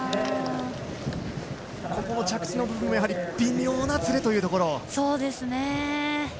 ここも着地の部分で微妙なずれというところ。